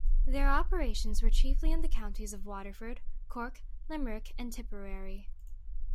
Their operations were chiefly in the counties of Waterford, Cork, Limerick, and Tipperary.